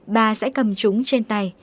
bà sẽ cầm chúng trên tay